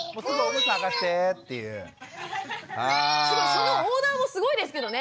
そのオーダーもすごいですけどね。